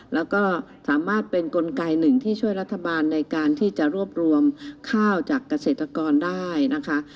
แล้วก็สามารถเป็นกลไกหนึ่งที่ช่วยรัฐบาลในการที่จะรวบรวมข้าวจากเกษตรกรได้นะคะ